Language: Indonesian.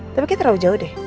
tapi kita terlalu jauh deh